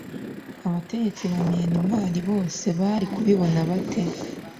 abategetsi ba miyanimari bo se bari kubibona bate